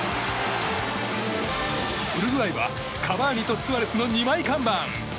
ウルグアイはカバーニとスアレスの２枚看板。